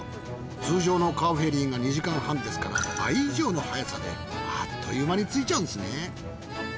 通常のカーフェリーが２時間半ですから倍以上の速さであっという間についちゃうんですね。